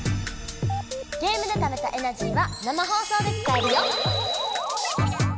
ゲームでためたエナジーは生放送で使えるよ！